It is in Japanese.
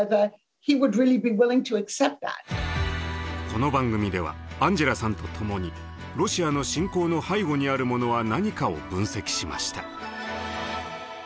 この番組ではアンジェラさんとともにロシアの侵攻の背後にあるものは何かを分析しました。